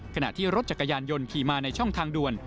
ขณะที่รถจักรยานยนต์ขี่มาในช่องทางด่วน